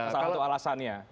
salah satu alasannya